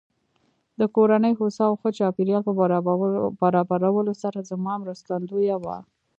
د کورنۍ هوسا او ښه چاپېريال په برابرولو سره زما مرستندويه وه.